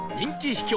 秘境